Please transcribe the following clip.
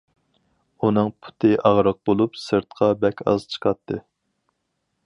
ئۇنىڭ پۇتى ئاغرىق بولۇپ، سىرتقا بەك ئاز چىقاتتى.